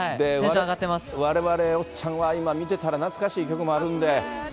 われわれおっちゃんは今、見てたら、懐かしい曲もあるんで。